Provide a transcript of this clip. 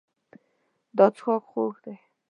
دا څښاک خوږ دی.